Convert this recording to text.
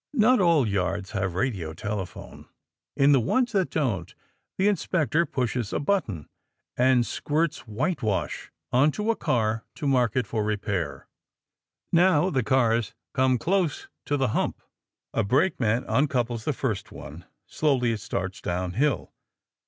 (Not all yards have radio telephone. In the ones that don't, the inspector pushes a button and squirts whitewash onto a car to mark it for repair.) Now the cars come close to the hump. A brakeman uncouples the first one. Slowly it starts downhill.